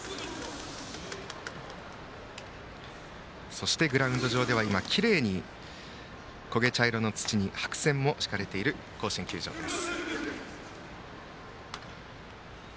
そしてグラウンド上ではきれいにこげ茶色の土に白線も引かれている甲子園球場です。